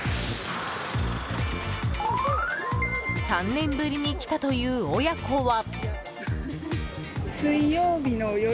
３年ぶりに来たという親子は。